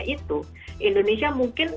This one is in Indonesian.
itu indonesia mungkin